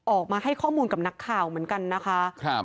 ออกมาให้ข้อมูลกับนักข่าวเหมือนกันนะคะ